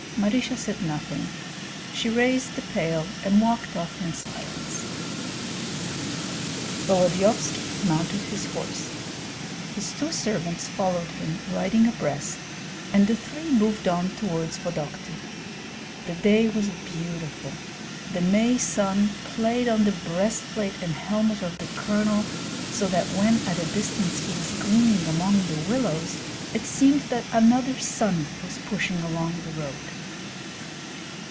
Marysia said nothing; she raised the pail and walked off in silence. Volodyovski mounted his horse; his two servants followed him, riding abreast, and the three moved on toward Vodokty. The day was beautiful. The May sun played on the breastplate and helmet of the colonel, so that when at a distance he was gleaming among the willows it seemed that another sun was pushing along the road.